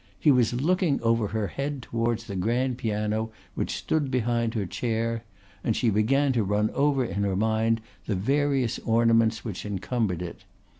He was looking over her head towards the grand piano which stood behind her chair; and she began to run over in her mind the various ornaments which encumbered it.